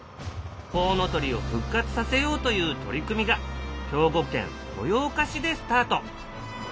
コウノトリを復活させようという取り組みが兵庫県豊岡市でスタート。